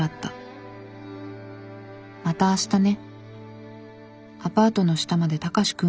『うんまた明日ね』」